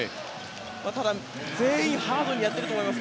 ただ、全員ハードにやっていると思います。